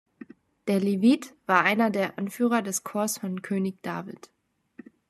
Der Levit war einer der Anführer des Chors von König David.